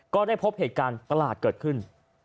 ก็ได้พบเหตุการณ์ประหลาดเกิดขึ้น